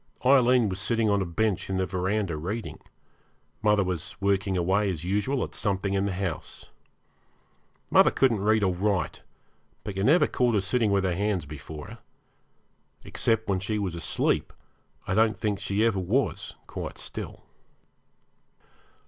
Aileen was sitting on a bench in the verandah reading, mother was working away as usual at something in the house. Mother couldn't read or write, but you never caught her sitting with her hands before her. Except when she was asleep I don't think she ever was quite still.